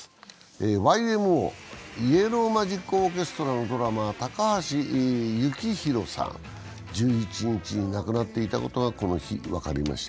ＹＭＯ＝イエロー・マジック・オーケストラのドラマー、高橋幸宏さんが１１日に亡くなっていたことがこの日、分かりました。